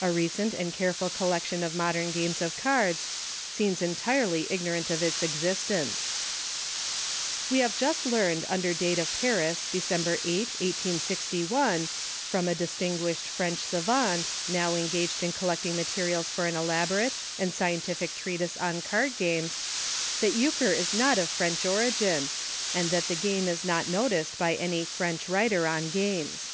a recent and careful collection of modern games of cards, seems entirely ignorant of its existence, We have just learned under date of Paris December 8, 1861, from a distinguished French savant, now engaged in collecting materials for an elaborate and scientific trea tise on card games, that Euchre is not of French origin, and that the game is not no ticed by any French writer on games.